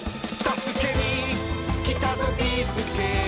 「助けにきたぞビーすけ」